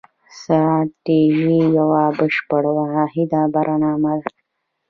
ستراتیژي یوه بشپړه واحده برنامه ده.